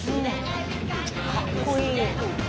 かっこいい。